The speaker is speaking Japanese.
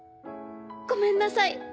ごめんなさい！